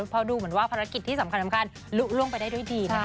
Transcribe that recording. เพราะดูเหมือนว่าภารกิจที่สำคัญลุล่วงไปได้ด้วยดีนะคะ